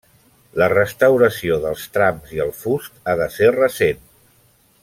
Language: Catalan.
La restauració dels trams i el fust ha de ser recent.